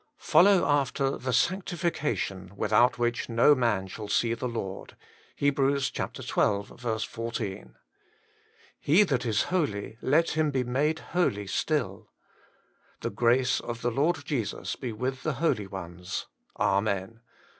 Follow after the sanctifcation without which no man shall see the Lord.' HEB. xii. 14. ' He that is holy, let him be made holy still. ... The grace of the Lord Jesus be with the holy ones. Amen.'